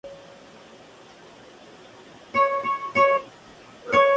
Los "routers" constituyen los límites entre las subredes.